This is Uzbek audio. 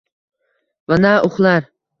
Va na uxlar